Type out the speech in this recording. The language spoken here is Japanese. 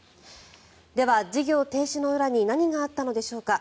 では、事業停止の裏に何があったのでしょうか。